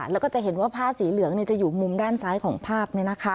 แล้วก็จะเห็นว่าผ้าสีเหลืองจะอยู่มุมด้านซ้ายของภาพ